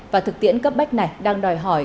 và thực tiễn cấp bách này đang đòi hỏi